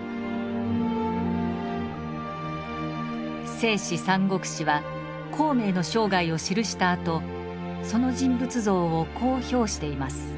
「正史三国志」は孔明の生涯を記したあとその人物像をこう評しています。